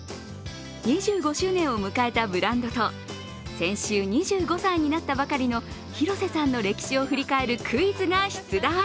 ２５周年を迎えたブランドと先週２５歳になったばかりの広瀬さんの歴史を振り返るクイズが出題。